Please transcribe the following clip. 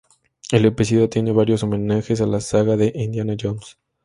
El episodio tiene varios homenajes a la saga de Indiana Jones.